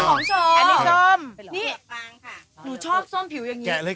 นี่หนูชอบส้มผิวอย่างนี้